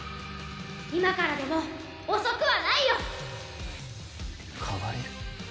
今からでも遅くはないよ変われる